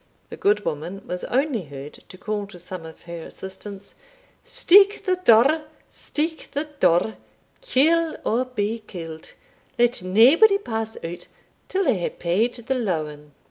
The good woman was only heard to call to some of her assistants "Steek the door! steek the door! kill or be killed, let naebody pass out till they hae paid the lawin."